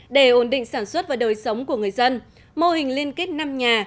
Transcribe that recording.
để ổn định sản xuất và đời sống của người dân mô hình liên kết năm nhà